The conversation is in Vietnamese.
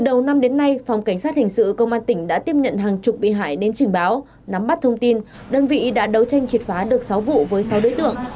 đầu năm đến nay phòng cảnh sát hình sự công an tỉnh đã tiếp nhận hàng chục bị hại đến trình báo nắm bắt thông tin đơn vị đã đấu tranh triệt phá được sáu vụ với sáu đối tượng